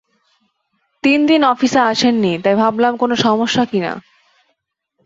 তিন দিন অফিসে আসেন নি, তাই ভাবলাম কোনো সমস্যা কি-না।